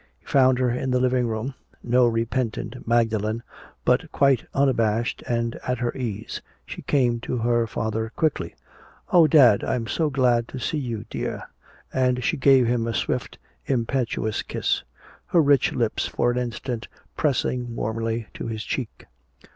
He found her in the living room. No repentant Magdalene, but quite unabashed and at her ease, she came to her father quickly. "Oh, dad, I'm so glad to see you, dear!" And she gave him a swift impetuous kiss, her rich lips for an instant pressing warmly to his cheek.